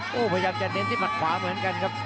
โคตรพยายามจะเน้นที่ปัดขวามากันครับ